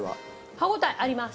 歯応えあります。